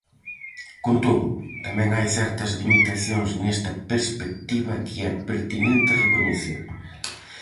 Con todo, tamén hai certas limitacións nesta perspectiva que é pertinente recoñecer.